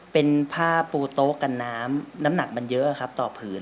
เป็นผ้าปูโต๊ะกันน้ำน้ำหนักมันเยอะครับต่อผืน